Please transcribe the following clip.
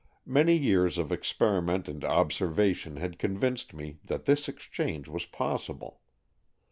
Many years of experiment and observation had convinced me that this exchange was possible.